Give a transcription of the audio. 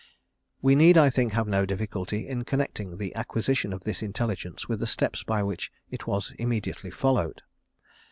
We need, I think, have no difficulty in connecting the acquisition of this intelligence with the steps by which it was immediately followed.